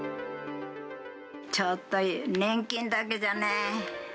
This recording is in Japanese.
ちょっと年金だけじゃね。